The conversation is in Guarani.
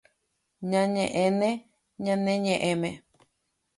Ñañeʼẽne ñane ñeʼẽme.